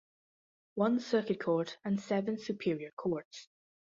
One circuit court and seven superior courts.